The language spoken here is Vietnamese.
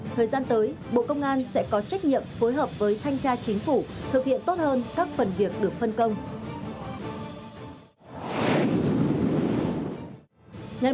thời gian tới bộ công an sẽ có trách nhiệm phối hợp với thanh tra chính phủ thực hiện tốt hơn các phần việc được phân công